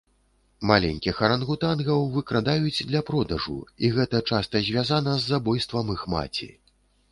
Маленькіх арангутангаў выкрадаюць для продажу, і гэта часта звязана з забойствам іх маці.